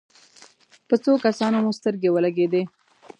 په څو کسانو مو سترګې ولګېدې.